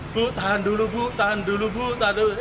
bu tahan dulu bu tahan dulu bu tahan dulu